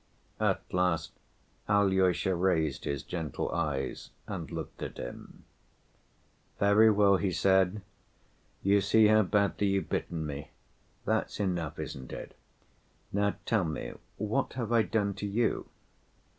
At last Alyosha raised his gentle eyes and looked at him. "Very well," he said, "you see how badly you've bitten me. That's enough, isn't it? Now tell me, what have I done to you?"